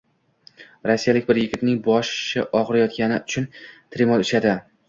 Rossiyalik bir yigitning boshi og‘riyotgani uchun “Trimol” ichadi.